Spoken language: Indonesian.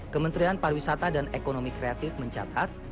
kementerian pariwisata dan ekonomi kreatif mencatat